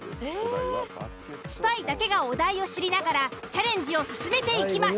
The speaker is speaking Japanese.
スパイだけがお題を知りながらチャレンジを進めていきます。